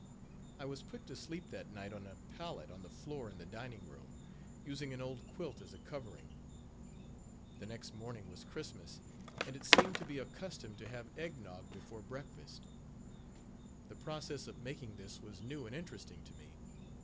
I was put to sleep that night on a pallet on the floor in the dining room, using an old quilt as a covering. The next morning was Christmas, and it seemed to be a custom to have egg nog before breakfast. The process of making this was new and interesting to me.